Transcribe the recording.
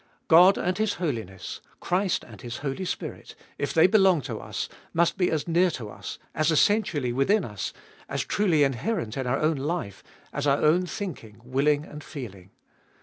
God and His holiness, Christ and His Holy Spirit, if they belong to us, must be as near to us, as essentially within us, as truly inherent in our own life, as our own thinking, willing, and feeling.